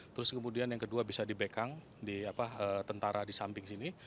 terus kemudian yang kedua bisa dibekang di tentara di samping sini